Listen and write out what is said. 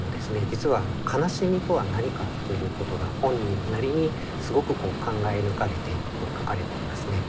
実は「悲しみとは何か」ということが本人なりにすごく考え抜かれて書かれていますね。